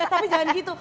tapi jangan gitu